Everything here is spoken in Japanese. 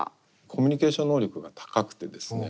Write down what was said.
コミュニケーション能力が高くてですね